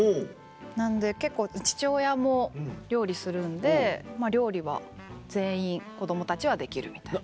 なので結構父親も料理するんで料理は全員子供たちはできるみたいな。